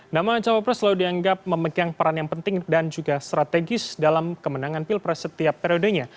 nama cawapres selalu dianggap memegang peran yang penting dan juga strategis dalam kemenangan pilpres setiap periodenya